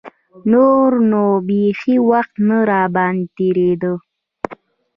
نور نو بيخي وخت نه راباندې تېرېده.